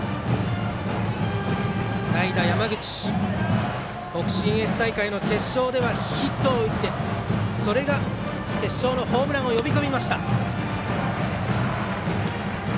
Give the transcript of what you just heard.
代打、山口北信越大会の決勝ではヒットを打ってそれが決勝のホームランを呼び込みました。